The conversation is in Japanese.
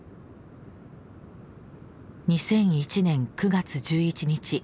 ２００１年９月１１日。